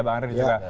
mbak andri juga